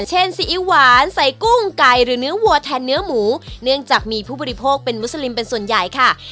ซีอิ๊วหวานใส่กุ้งไก่หรือเนื้อวัวแทนเนื้อหมูเนื่องจากมีผู้บริโภคเป็นมุสลิมเป็นส่วนใหญ่ค่ะ